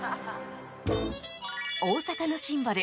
大阪のシンボル